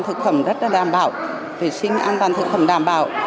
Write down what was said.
thực phẩm đất đảm bảo vệ sinh an toàn thực phẩm đảm bảo